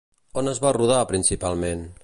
On es va rodar principalment?